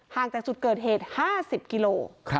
จากจุดเกิดเหตุ๕๐กิโล